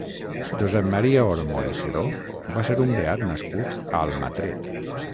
Josep Maria Ormo i Seró va ser un beat nascut a Almatret.